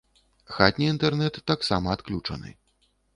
Хатні інтэрнэт таксама адключаны.